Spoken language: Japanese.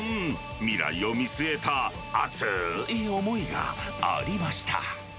未来を見据えた熱い思いがありました。